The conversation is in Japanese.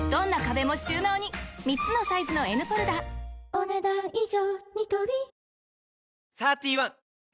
お、ねだん以上。